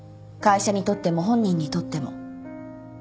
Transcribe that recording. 会社にとっても本人にとっても。